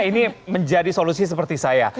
ini menjadi solusi seperti saya